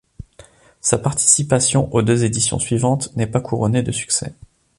Sa participation aux deux éditions suivantes n'est pas couronnée de succès.